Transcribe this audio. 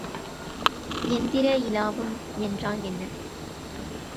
எந்திர இலாபம் என்றால் என்ன?